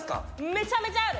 めちゃめちゃある！